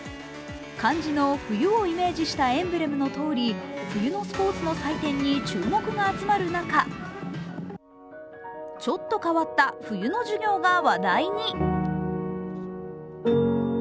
漢字の「冬」をイメージしたエンブレムのとおり冬のスポーツの祭典に注目が集まる中、ちょっと変わった冬の授業が話題に。